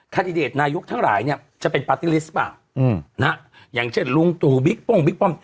คาดิเดตนายุคทั้งหลายเนี่ยจะเป็นปาร์ติลิสต์หรือเปล่าอย่างเช่นลุงตูบิ๊กป้งบิ๊กป้ม